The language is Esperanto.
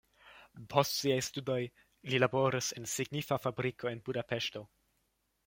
Post siaj studoj li laboris en signifa fabriko en Budapeŝto.